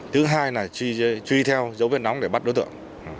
thứ hai là truy theo dấu vết nóng để bắt đối tượng